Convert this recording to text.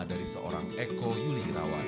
dari seorang eko yuli irawan